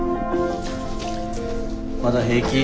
まだ平気？